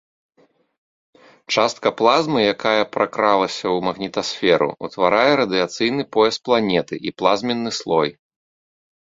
Частка плазмы, якая пракралася ў магнітасферу, утварае радыяцыйны пояс планеты і плазменны слой.